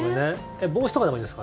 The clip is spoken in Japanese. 帽子とかでもいいですか？